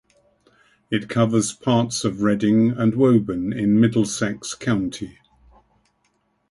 It covers parts of Reading and Woburn in Middlesex County.